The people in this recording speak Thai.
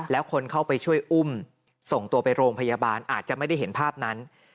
แล้วคนเข้าไปช่วยอุ้มส่งตัวไปโรงพยาบาลอาจจะไม่ได้เห็นภาพนั้น